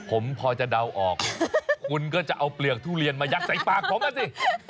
ผมพอจะเดาออกคุณก็จะเอาเปลือกทุเรียนมายัดใส่ปากผมนะสิ